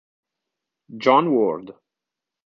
John Ward